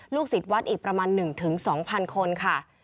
ศิษย์วัดอีกประมาณ๑๒๐๐๐คนค่ะ